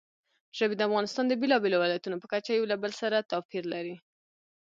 ژبې د افغانستان د بېلابېلو ولایاتو په کچه یو له بل سره توپیر لري.